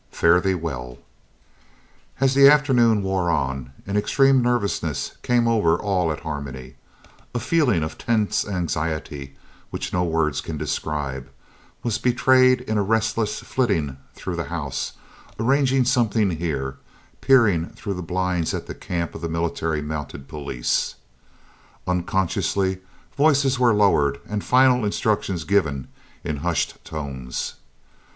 "FARE THEE WELL" As the afternoon wore on, an extreme nervousness came over all at Harmony, a feeling of tense anxiety which no words can describe, and was betrayed in a restless flitting through the house, arranging something here, peering through the blinds at the camp of the Military Mounted Police. Unconsciously voices were lowered and final instructions given in hushed tones.